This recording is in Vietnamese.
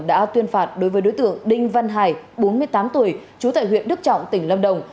đã tuyên phạt đối với đối tượng đinh văn hải bốn mươi tám tuổi trú tại huyện đức trọng tỉnh lâm đồng